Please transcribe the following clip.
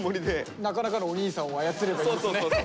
なかなかのお兄さんを操ればいいんですね。